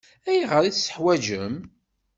Ayɣer i t-teḥwaǧem?